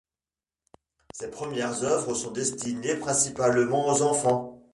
Ses premières œuvres sont destinées principalement aux enfants.